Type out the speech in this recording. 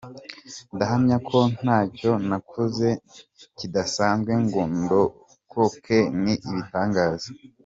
Ndahamya ko ntacyo nakoze kidasanzwe ngo ndokoke, ni ibitangaza.